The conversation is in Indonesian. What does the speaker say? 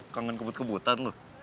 kangen kebut kebutan lo